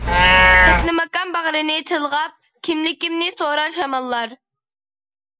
تەكلىماكان باغرىنى تىلغاپ، كىملىكىمنى سورار شاماللار.